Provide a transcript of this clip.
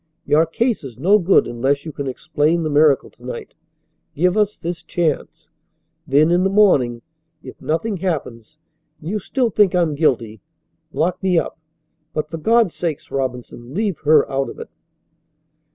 Your case is no good unless you can explain the miracle to night. Give us this chance. Then in the morning, if nothing happens and you still think I'm guilty, lock me up, but for God's sake, Robinson, leave her out of it."